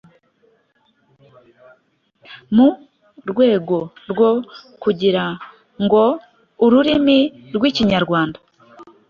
Mu rwego rwo kugira ngo ururimi rw’Ikinyarwanda